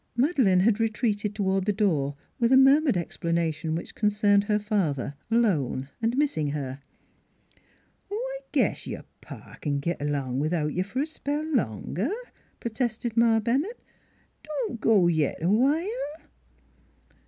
Madeleine had retreated toward the door with a murmured explanation which concerned her fa ther, alone and missing her. " Oh, I guess your pa c'n git along without you fer a spell longer," protested Ma Bennett. " Don't go yit awhile."